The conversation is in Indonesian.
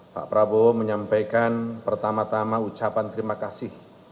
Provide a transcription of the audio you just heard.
pak prabowo menyampaikan pertama tama ucapan terima kasih